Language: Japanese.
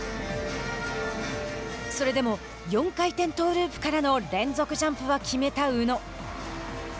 それでも４回転トーループからの連続ジャンプは決めた宇野。